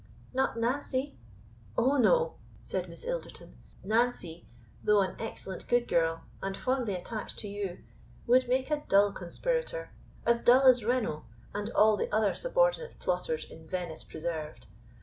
"Not Nancy?" "O, no!" said Miss Ilderton; "Nancy, though an excellent good girl, and fondly attached to you, would make a dull conspirator as dull as Renault and all the other subordinate plotters in VENICE PRESERVED.